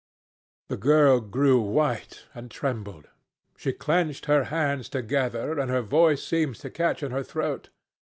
The girl grew white, and trembled. She clenched her hands together, and her voice seemed to catch in her throat.